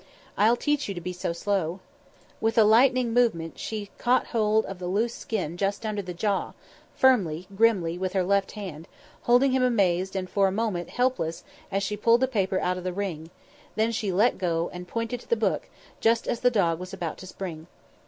I'll teach you to be so slow." With a sudden lightning movement she caught hold of the loose skin just under the jaw, firmly, grimly, with her left hand, holding him amazed and for a moment helpless as she pulled the paper out of the ring; then she let go, and pointed to the book, just as the dog was about to spring.